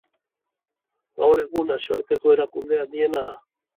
Gaur egun, nazioarteko erakunde handiena da.